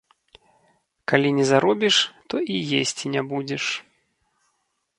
Калі не заробіш, то і есці не будзеш.